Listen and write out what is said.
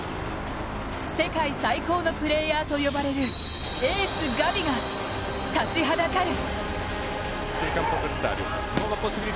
世界最高のプレーヤーと呼ばれるエース・ガビが立ちはだかる。